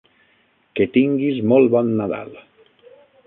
Que tinguis molt bon Nadal!